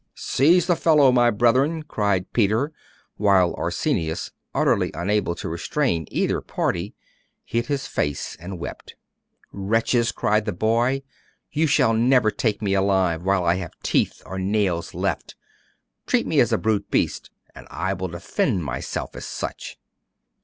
'Seize the fellow, my brethren!' cried Peter, while Arsenius, utterly unable to restrain either party, hid his face and wept. 'Wretches!' cried the boy; 'you shall never take me alive, while I have teeth or nails left. Treat me as a brute beast, and I will defend myself as such!